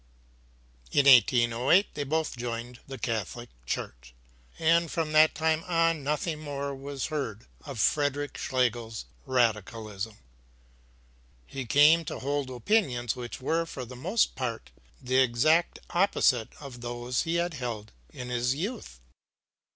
In 1808 they both joined the Catholic Church, and from that time on nothing more was heard of Friedrich Schlegel's radicalism. He came to hold opinions which were for the most part the exact opposite of those he had held in his youth.